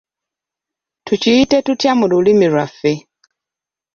Tukiyite tutya mu lulimi lwaffe?